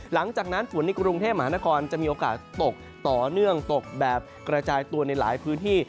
หลังจากนั้นฝนในกรุงเทพมหานครจะมีโอกาสตกต่อเนื่องตกแบบกระจายตัวในหลายพื้นที่